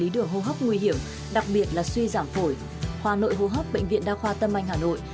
lý đường hô hấp nguy hiểm đặc biệt là suy giảm phổi hn hô hấp bệnh viện đa khoa tâm anh hà nội